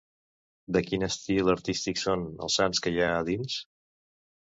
De quin estil artístic són els sants que hi ha a dins?